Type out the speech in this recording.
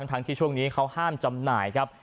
ทั้งที่ช่วงนี้เขาห้ามจำหน่ายครับ